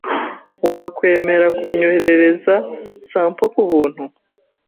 Wakwemera kunyoherereza sample kubuntu?